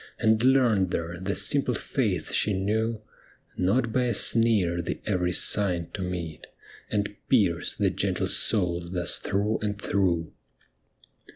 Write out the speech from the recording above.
And learned there the simple faith she knew, Not by a sneer the every sign to meet, And pierce the gentle soul thus through and through